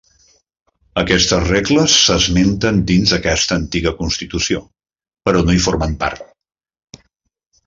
Aquestes regles s'esmenten dins aquesta antiga constitució, però no hi formen part.